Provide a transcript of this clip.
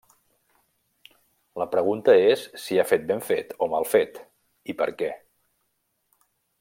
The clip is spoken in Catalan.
La pregunta és si ha fet ben fet o mal fet i per què.